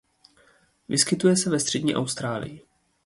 Vyskytuje se ve střední Austrálii.